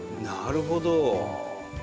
なるほど。